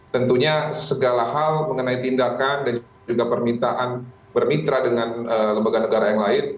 tentunya segala hal mengenai tindakan dan juga permintaan bermitra dengan lembaga negara yang lain